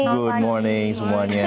good morning semuanya